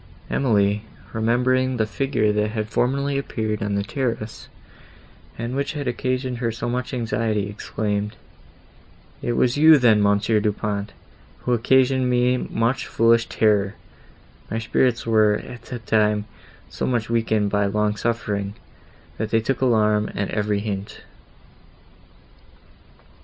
Emily, remembering the figure that had formerly appeared on the terrace, and which had occasioned her so much anxiety, exclaimed, "It was you then, Monsieur Du Pont, who occasioned me much foolish terror; my spirits were, at that time, so much weakened by long suffering, that they took alarm at every hint."